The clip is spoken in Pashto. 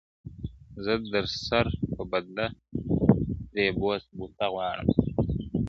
o زه د سر په بدله ترې بوسه غواړم,